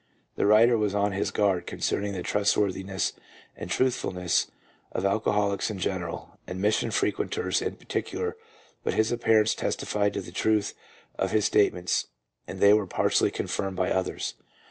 The writer was on his guard concerning the trustworthi ness and truthfulness of alcoholics in general, and mission frequenters in particular, but his appearance testified to the truth of his statements, and they were partially confirmed by others.